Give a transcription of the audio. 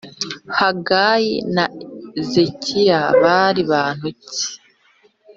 Hagayi na Zekariya bari bantu ki